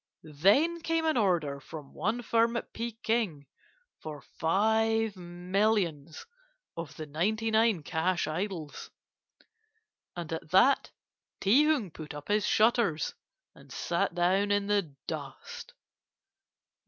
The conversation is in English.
Then came an order from one firm at Peking for five millions of the ninety nine cash idols, and at that Ti Hung put up his shutters, and sat down in the dust.